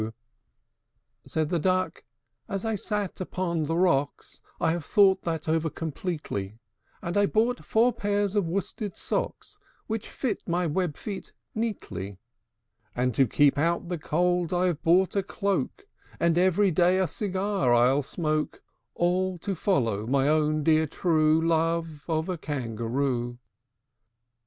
IV. Said the Duck, "As I sate on the rocks, I have thought over that completely; And I bought four pairs of worsted socks, Which fit my web feet neatly; And, to keep out the cold, I've bought a cloak; And every day a cigar I'll smoke; All to follow my own dear true Love of a Kangaroo."